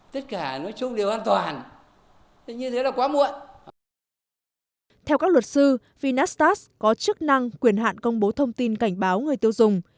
theo các luật sư vinastast có chức năng quyền hạn công bố thông tin cảnh báo người tiêu dùng